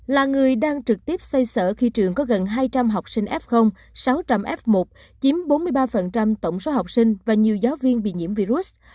là người đang trực tiếp xây sở khi trường có gần hai trăm linh học sinh f sáu trăm linh f một chiếm bốn mươi ba tổng số học sinh và nhiều giáo viên bị nhiễm virus